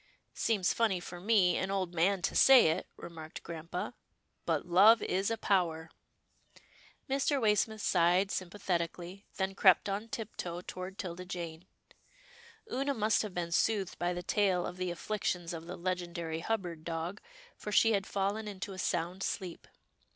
" Seems funny for me, an old man to say it," re marked grampa, " but love is a power." Mr. Waysmith sighed sympathetically, then crept on tiptoe toward 'Tilda Jane, 276 'TILDA JANE'S ORPHANS Oonah must have been soothed by the tale of the afflictions of the legendary Hubbard dog, for she had fallen into a sound sleep.